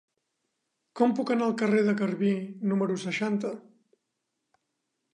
Com puc anar al carrer de Garbí número seixanta?